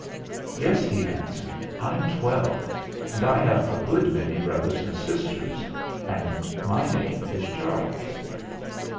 "Yes," he answered, "I'm twelve, and I have a good many brothers and sisters, and my name is Charles."